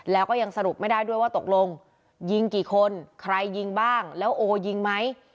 แล้วก็ยังสรุปไม่ได้ด้วยว่าตกลงยิงกี่คนใครยิงบ้างแล้วโอยิงไหม